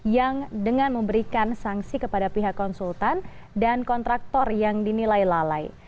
yang dengan memberikan sanksi kepada pihak konsultan dan kontraktor yang dinilai lalai